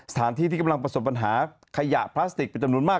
สถานที่ที่กำลังประสบปัญหาขยะพลาสติกเป็นจำนวนมาก